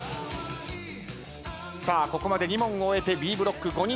さあここまで２問を終えてＢブロック５人の戦い